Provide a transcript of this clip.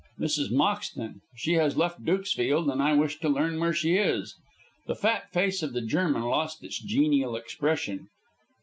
"Mrs. Moxton. She has left Dukesfield, and I wish to learn where she is." The fat face of the German lost its genial expression.